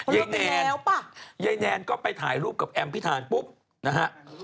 แนนยายแนนก็ไปถ่ายรูปกับแอมพิธานปุ๊บนะฮะ